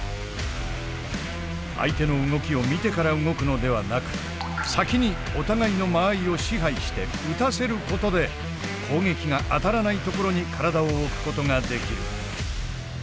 相手の動きを見てから動くのではなく先にお互いの間合いを支配して打たせることで攻撃が当たらないところに体を置くことができる。